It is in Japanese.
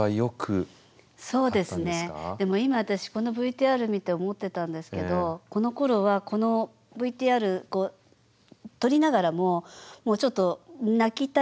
でも今私このＶＴＲ見て思ってたんですけどこのころはこのＶＴＲ撮りながらもちょっと泣きたい気持ちだったんですね。